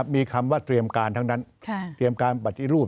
มีคำว่าเตรียมการทั้งนั้นเตรียมการปฏิรูป